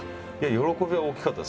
喜びは大きかったですよ。